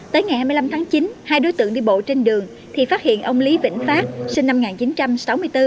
tới ngày hai mươi năm tháng chín hai đối tượng đi bộ trên đường thì phát hiện ông lý vĩnh phát sinh năm một nghìn chín trăm sáu mươi bốn